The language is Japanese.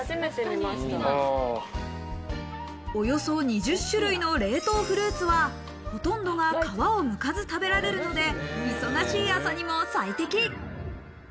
およそ２０種類の冷凍フルーツは、ほとんどが皮をむかず食べられるので、忙しい朝にも最適。